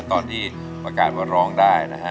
ตอนที่ภากรรมร้องได้นะฮะ